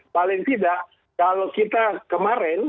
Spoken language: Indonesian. paling tidak kalau kita kemarin